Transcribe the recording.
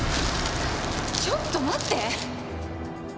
ちょっと待って！